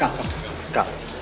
kak kak kak